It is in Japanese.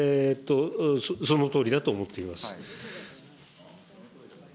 そのとおりだと思っています。